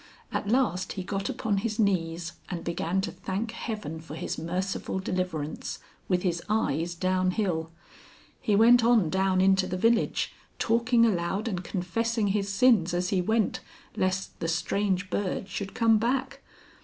At last he got upon his knees and began to thank Heaven for his merciful deliverance, with his eyes downhill. He went on down into the village, talking aloud and confessing his sins as he went, lest the strange bird should come back.